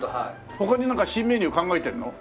他になんか新メニュー考えてんの？